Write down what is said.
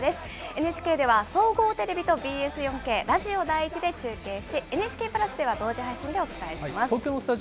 ＮＨＫでは、総合テレビとＢＳ４Ｋ、ラジオ第１で中継し、ＮＨＫプラスでは同時配信でお伝えします。